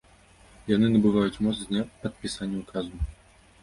Яны набываюць моц з дня падпісання ўказу.